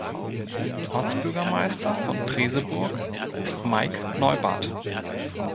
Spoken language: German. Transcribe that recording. Ortsbürgermeister von Treseburg ist Mike Neubarth.